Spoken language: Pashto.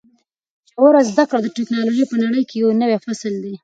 ژوره زده کړه د ټکنالوژۍ په نړۍ کې یو نوی فصل دی.